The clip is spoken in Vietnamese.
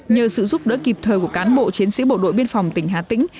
nhờ sự giúp đỡ kịp thời của cán bộ chiến sĩ bộ đội biên phòng tỉnh hà tĩnh